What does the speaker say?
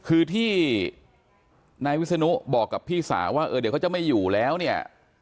คือที่นายวิศนุบอกกับพี่สาวว่าเออเดี๋ยวเขาจะไม่อยู่แล้วเนี่ย